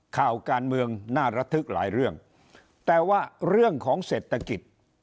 ข่าวการเมืองน่าระทึกหลายเรื่องแต่ว่าเรื่องของเศรษฐกิจ